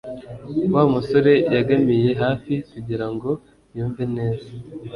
Wa musore yegamiye hafi kugirango yumve neza